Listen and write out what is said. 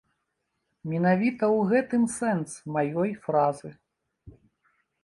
Менавіта ў гэтым сэнс маёй фразы.